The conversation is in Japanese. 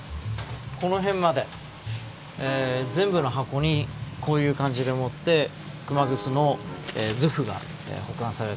この辺まで全部の箱にこういう感じでもって熊楠の図譜が保管されています。